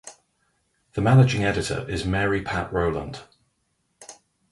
The managing editor is Mary Pat Rowland.